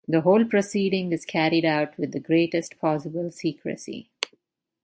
The whole proceeding is carried out with the greatest possible secrecy.